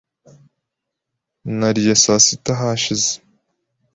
Nariye saa sita hashize .